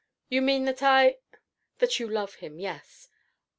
"You mean, that I " "That you love him, yes."